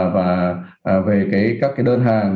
và về các đơn hàng